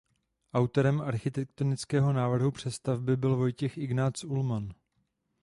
Autorem architektonického návrhu přestavby byl Vojtěch Ignác Ullmann.